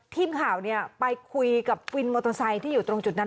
ทีมข่าวไปคุยกับวินมอเตอร์ไซค์ที่อยู่ตรงจุดนั้น